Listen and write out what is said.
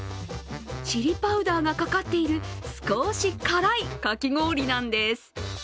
チリパウダーがかかっている少し辛いかき氷なんです。